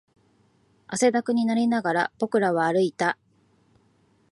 汗だくになりながら、僕らは歩いた